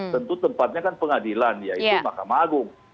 tentu tempatnya kan pengadilan yaitu mahkamah agung